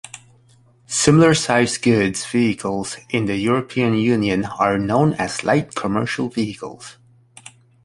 Similar sized goods vehicles in the European Union are known as light commercial vehicles.